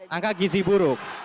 angka gizi buruk